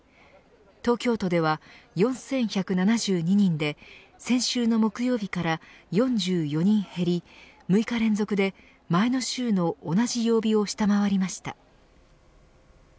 東京都では４１７２人で先週の木曜日から４４人減り、６日連続で前の週の同じ曜日を下回りました。